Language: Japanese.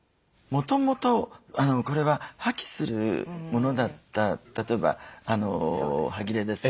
もともとこれは破棄するものだった例えばはぎれですよね。